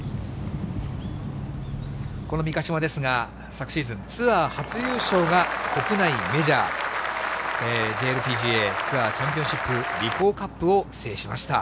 この三ヶ島ですが、昨シーズン、ツアー初優勝が国内メジャー、ＪＬＰＧＡツアーチャンピオンシップリコーカップを制しました。